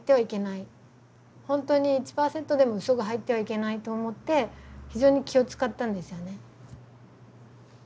本当に１％でも嘘が入ってはいけないと思って非常に気を遣ったんですよね。